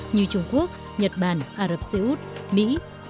như trung quốc nhật bản ả rập xê út mỹ